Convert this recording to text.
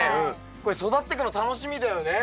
これ育ってくの楽しみだよね。